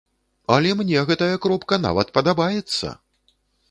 Але мне гэтая кропка нават падабаецца!